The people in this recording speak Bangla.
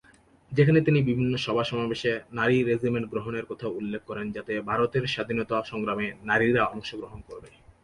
সেখানে তিনি বিভিন্ন সভা-সমাবেশে নারী রেজিমেন্ট গ্রহণের কথা উল্লেখ করেন যাতে ভারতের স্বাধীনতা সংগ্রামে নারীরা অংশগ্রহণ করবে।